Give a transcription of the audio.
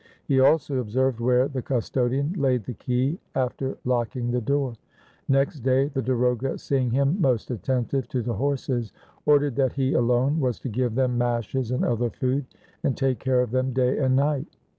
He also observed where the custodian laid the key after locking the door. Next day the darogha seeing him most attentive to the horses, ordered that he alone was to give them mashes and other food, and take care of them day and night.